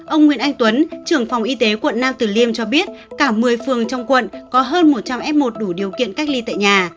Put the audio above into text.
ông nguyễn anh tuấn trưởng phòng y tế quận nam tử liêm cho biết cả một mươi phường trong quận có hơn một trăm linh f một đủ điều kiện cách ly tại nhà